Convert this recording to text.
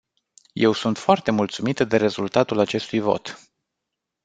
Eu sunt foarte mulțumită de rezultatul acestui vot.